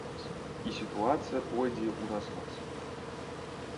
І сітуацыя пойдзе ўразнос.